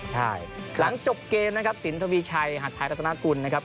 ใช่หลังจบเกมนะครับสินทวีชัยหัดไทยรัฐนากุลนะครับ